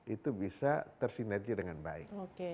itu bisa tersinergi dengan baik